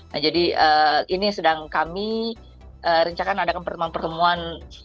nah jadi ini sedang kami rencanakan adakan pertemuan pertemuan